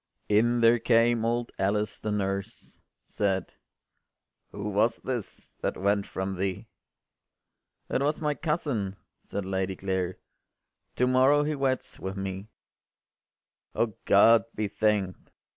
In there came old Alice the nurse, Said, “Who was this that went from thee?” “It was my cousin,” said Lady Clare, “To morrow he weds with me.” “O God be thank’d!